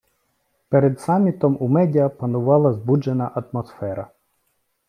Перед самітом у медіа панувала збуджена атмосфера.